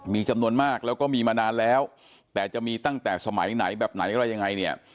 มีจำนวนมากแล้วก็มีมานานแล้วแต่จะมีตั้งแต่สมัยไหนแบบไหนอะไรยังไงเนี่ย